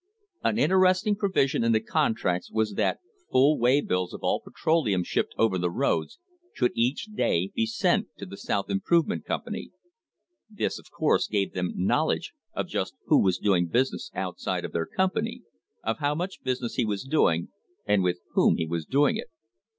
An interesting provision in the contracts was that full way bills of all petroleum shipped over the roads should each day be sent to the South Improvement Company. This, of course, I gave them knowledge of just who was doing business outside of their company — of how much business he was doing, and with whom he was doing it.